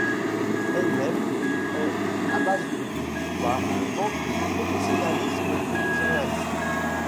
Elle-même est abasourdie par le manque de professionnalisme du journaliste.